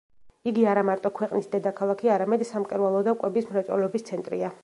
იგი არა მარტო ქვეყნის დედაქალაქი, არამედ სამკერვალო და კვების მრეწველობის ცენტრია.